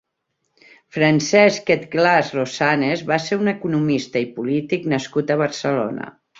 Francesc Quetglas Rosanes va ser un economista i polític nascut a Barcelona.